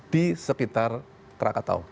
di sekitar anak rakatau